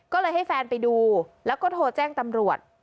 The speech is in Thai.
ก็เลยให้แฟนไปดูแล้วก็โทรแจ้งตำรวจ